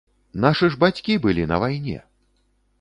Нашы ж бацькі былі на вайне!